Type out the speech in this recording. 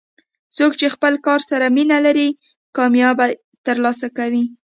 څوک چې خپل کار سره مینه لري، کامیابي ترلاسه کوي.